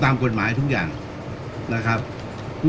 การสำรรค์ของเจ้าชอบใช่